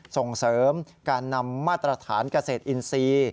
ส่งเสริมการนำมาตรฐานเกษตรอินทรีย์